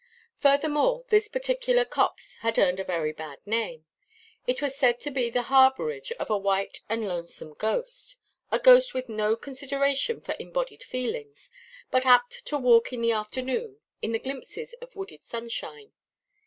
Furthermore, this particular copse had earned a very bad name. It was said to be the harbourage of a white and lonesome ghost, a ghost with no consideration for embodied feelings, but apt to walk in the afternoon, in the glimpses of wooded sunshine.